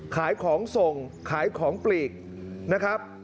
ขายของส่งขายของปลีกนะครับ